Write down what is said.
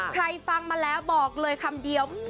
ฟังมาแล้วบอกเลยคำเดียว